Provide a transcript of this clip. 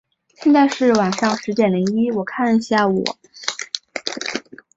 罗宗洛代理校长成立国立台湾大学临时医学专修科供他们完成学业。